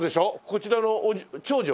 こちらの長女？